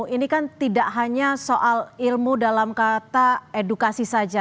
ini kan tidak hanya soal ilmu dalam kata edukasi saja